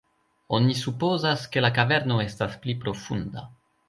Oni supozas, ke la kaverno estas pli profunda.